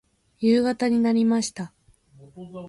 夕方になりました。